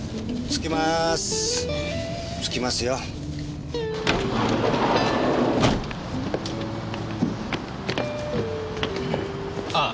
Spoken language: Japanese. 着きますよ。ああ。